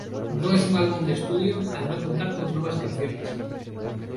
No es un álbum de estudio, al no contar con nuevas canciones.